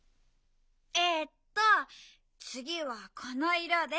えっとつぎはこのいろで。